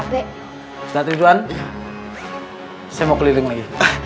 setelah tiduran saya mau keliling lagi